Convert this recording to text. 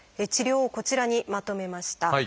治療をこちらにまとめました。